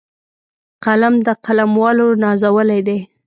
قلم د قلموالو نازولی دی